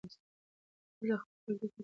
موږ د خپل کلتور ساتنه خپله دنده ګڼو.